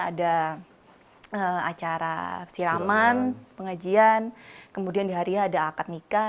ada acara siraman pengajian kemudian di harinya ada akad nikah